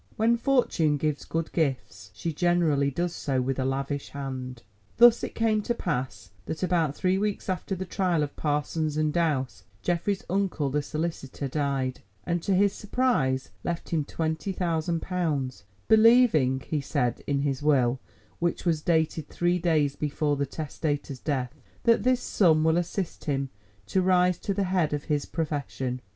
When fortune gives good gifts, she generally does so with a lavish hand. Thus it came to pass that, about three weeks after the trial of Parsons and Douse, Geoffrey's uncle the solicitor died, and to his surprise left him twenty thousand pounds, "believing," he said in his will, which was dated three days before the testator's death, "that this sum will assist him to rise to the head of his profession."